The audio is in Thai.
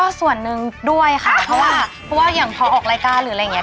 ก็ส่วนหนึ่งด้วยค่ะเพราะว่าเพราะว่าอย่างพอออกรายการหรืออะไรอย่างเง